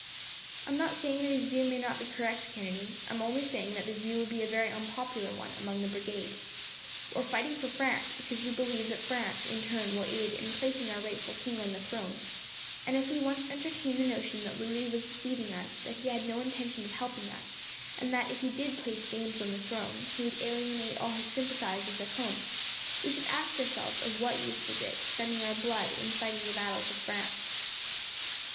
"I am not saying that his view may not be correct, Kennedy. I am only saying that the view would be a very unpopular one, among the Brigade. We are fighting for France because we believe that France, in turn, will aid in placing our rightful king on the throne, and if we once entertained the notion that Louis was deceiving us, that he had no intention of helping us, and that, if he did place James on the throne, he would alienate all his sympathizers at home, we should ask ourselves of what use was it, spending our blood in fighting the battles of France."